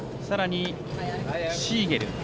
さらに、シーゲル。